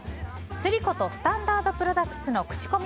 「スリコとスタンダードプロダクツの口コミ